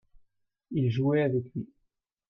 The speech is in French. il jouait avec lui.